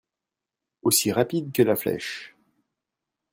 Aussi rapide que la flèche.